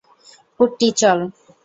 কুট্টি, চল!